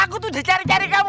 aku tuh dicari cari kamu